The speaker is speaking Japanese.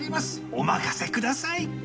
お任せください。